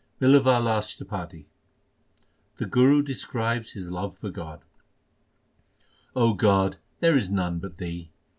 BlLAWAL ASHTAPADI The Guru describes his love for God : God, there is none but Thee.